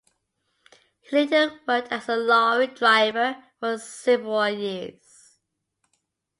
He later worked as a lorry driver for several years.